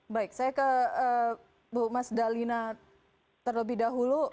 baik saya ke bu mas dalina terlebih dahulu